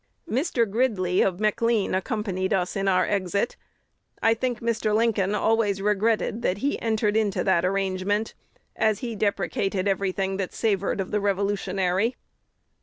Mr. Grid ley of McLean accompanied us in our exit.... I think Mr. Lincoln always regretted that he entered into that arrangement, as he deprecated every thing that savored of the revolutionary."